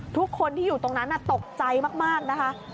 ทุกคนที่อยู่ตรงนั้นตกใจมากนะคะ